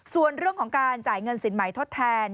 ส่วนเรื่องของการจ่ายเงินสินใหม่ทดแทน